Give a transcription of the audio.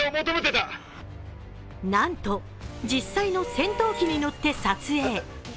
なんと実際の戦闘機に乗って撮影。